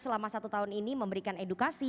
selama satu tahun ini memberikan edukasi